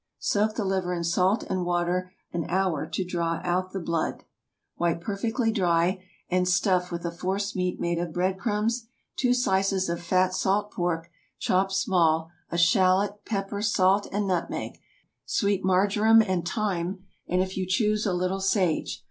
_) Soak the liver in salt and water an hour to draw out the blood. Wipe perfectly dry, and stuff with a force meat made of bread crumbs, two slices of fat salt pork, chopped small, a shallot, pepper, salt, and nutmeg; sweet marjoram and thyme, and if you choose, a little sage.